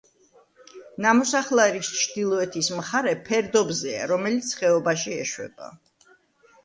ნამოსახლარის ჩრდილოეთის მხარე ფერდობზეა, რომელიც ხეობაში ეშვება.